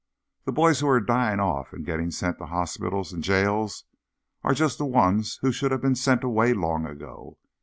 The boys who are dying off and getting sent to hospitals and jails are just the ones who should have been sent away long ago.